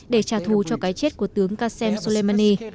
để trả thù cho cái chết của tướng qasem soleimani